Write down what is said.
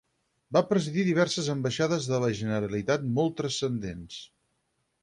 Va presidir diverses ambaixades de la Generalitat molt transcendents.